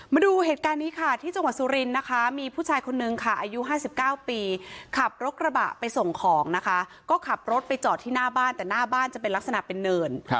มาดูเหตุการณ์นี้ค่ะที่จังหวัดสุรินทร์นะคะมีผู้ชายคนนึงค่ะอายุ๕๙ปีขับรถกระบะไปส่งของนะคะก็ขับรถไปจอดที่หน้าบ้านแต่หน้าบ้านจะเป็นลักษณะเป็นเนิน